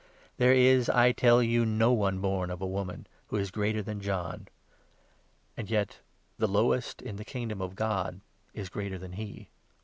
There is, I tell you, no one born of a woman who is greater 28 than John ; and yet the lowliest in the Kingdom of God is greater than he."